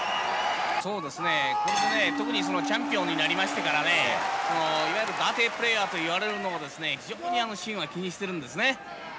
特にチャンピオンになりましてからはいわゆるダーティープレーヤーと言われるのを非常にシンは気にしてるんですね。